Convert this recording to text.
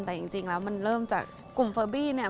แต่จริงแล้วมันเริ่มจากกลุ่มเฟอร์บี้เนี่ย